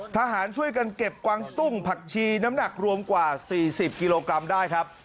ทหารช่วยกันเก็บกวางตุ้งผักชีน้ำหนักรวมกว่า๔๐กิโลกรัมได้ครับ